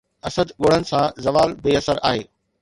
اسد ڳوڙهن سان! زوال بي اثر آهي